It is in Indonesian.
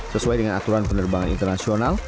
sesuai dengan aturan penerbangan internasional